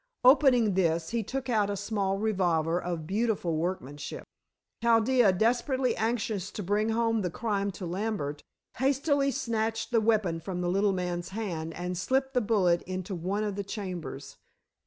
Opening this, he took out a small revolver of beautiful workmanship. Chaldea, desperately anxious to bring home the crime to Lambert, hastily snatched the weapon from the little man's hand and slipped the bullet into one of the chambers.